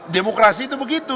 demokrasi itu begitu